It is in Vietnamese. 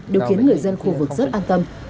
điều khiến người dân khu vực rất an tâm